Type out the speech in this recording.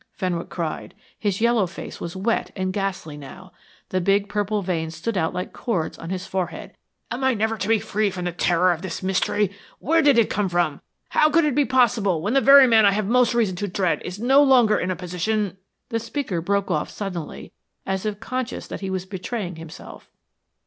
Fenwick cried. His yellow face was wet and ghastly now. The big purple veins stood out like cords on his forehead. "Am I never to be free from the terror of this mystery? Where did it come from? How could it be possible when the very man I have most reason to dread is no longer in a position " The speaker broke off suddenly, as if conscious that he was betraying himself.